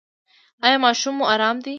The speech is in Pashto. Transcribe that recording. ایا ماشوم مو ارام دی؟